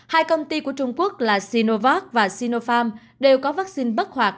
hai công ty của trung quốc là sinovac và sinopharm đều có vaccine bất hoạt